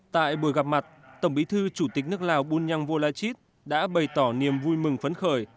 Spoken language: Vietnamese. tại buổi gặp mặt tổng bí thư chủ tịch nước lào bunyang volachit đã bày tỏ niềm vui mừng phấn khởi